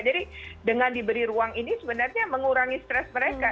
jadi dengan diberi ruang ini sebenarnya mengurangi stress mereka